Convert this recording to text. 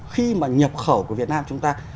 khi mà nhập khẩu của việt nam chúng ta